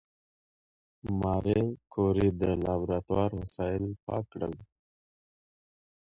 ماري کوري د لابراتوار وسایل پاک کړل.